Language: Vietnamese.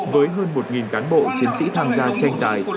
với hơn một cán bộ chiến sĩ tham gia tranh tài